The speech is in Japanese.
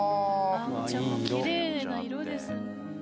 お茶もきれいな色ですね。